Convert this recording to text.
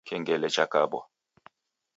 Kengele chakabwa